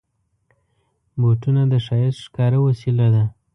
بوټونه د ښایست ښکاره وسیله ده.